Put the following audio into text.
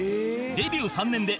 デビュー３年で？